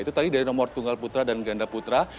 itu tadi dari nomor tunggal putra dan ganda putra